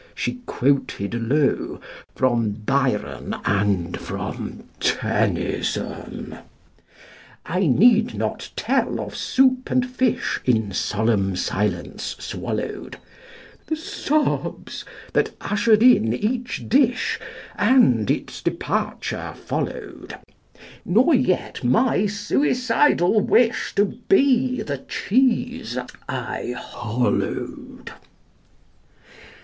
she quoted low From Byron and from Tennyson. I need not tell of soup and fish In solemn silence swallowed, The sobs that ushered in each dish, And its departure followed, Nor yet my suicidal wish To BE the cheese I hollowed.